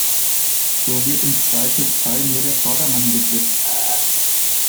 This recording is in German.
So wird im Zweifelsfall nur der Vordermann geblitzt.